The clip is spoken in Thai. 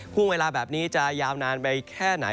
ห่วงเวลาแบบนี้จะยาวนานไปแค่ไหน